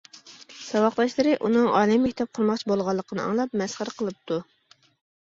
ساۋاقداشلىرى ئۇنىڭ ئالىي مەكتەپ قۇرماقچى بولغانلىقىنى ئاڭلاپ مەسخىرە قىلىپتۇ.